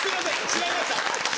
違いました。